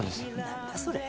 何だそれ。